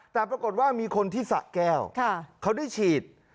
แต่ปรากฏว่ามีคนที่สะแก้วเขาได้ฉีด